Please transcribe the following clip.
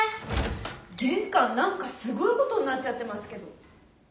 玄関なんかすごいことになっちゃってますけど。